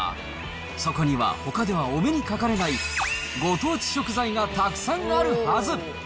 そこには、ほかではお目にかかれないご当地食材がたくさんあるはず。